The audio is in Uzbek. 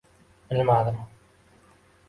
— Bilmadim.